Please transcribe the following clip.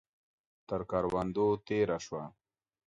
تر کروندو تېره شوه.